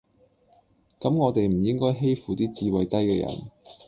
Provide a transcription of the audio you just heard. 咁我地唔應該欺負啲智慧低嘅人